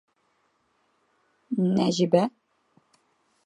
Н әжибә.